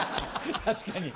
確かに。